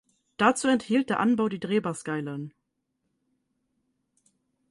Dazu enthielt der Anbau die Drehbar "Skyline".